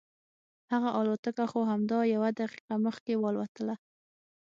هغه الوتکه خو همدا یوه دقیقه مخکې والوتله.